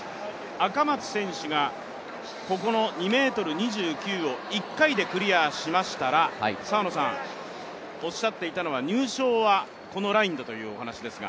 赤松選手がここの２ｍ２９を１回でクリアしましたら澤野さん、おっしゃっていたのは入賞はこのラインだというお話ですが。